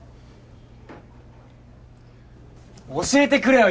教えてくれよ！